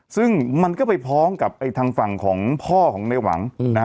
ซึ่งมันก็ไปพ้องกับไอ้ทางฝั่งของพ่อของในหวังนะฮะ